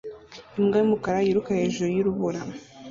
imbwa y'umukara yiruka hejuru y'urubura